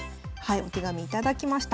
お手紙頂きました。